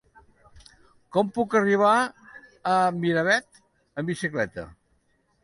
Com puc arribar a Miravet amb bicicleta?